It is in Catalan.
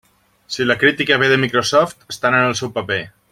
Si la crítica ve de Microsoft, estan en el seu paper.